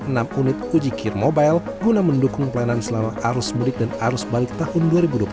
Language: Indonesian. untuk perbaikan diberikan enam unit uji kir mobil guna mendukung pelayanan selama arus mudik dan arus balik tahun dua ribu dua puluh tiga